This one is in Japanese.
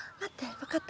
分かった。